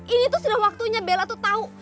ini itu sudah waktunya bella tuh tahu